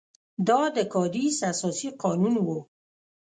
دا د کادیس اساسي قانون وو.